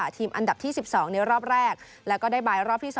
ที่๑๒ในรอบแรกและก็ได้บายรอบที่๒